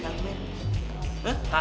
kalian tuh berantem ya